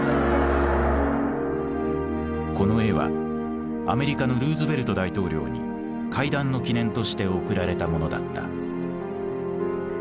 この絵はアメリカのルーズベルト大統領に会談の記念として贈られたものだった。